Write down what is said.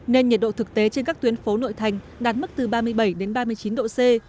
nên nhiệt độ thực tế trên các tuyến phố nội thành đạt mức từ ba mươi bảy đến ba mươi chín độ c